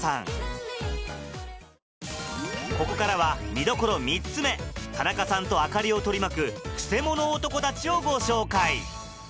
ここからは見どころ３つ目田中さんと朱里を取り巻くクセモノ男たちをご紹介